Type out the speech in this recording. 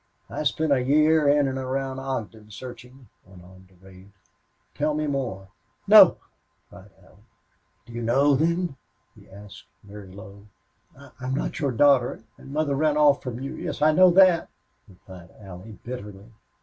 "I spent a year in and around Ogden, searching," went on Durade. "Tell me more." "No!" cried Allie. "Do you know, then?" he asked, very low. "I'm not your daughter and mother ran off from you. Yes, I know that," replied Allie, bitterly.